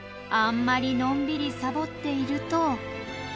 あんまりのんびりさぼっていると。